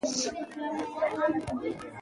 اوږده غرونه د افغانستان د ځمکې د جوړښت نښه ده.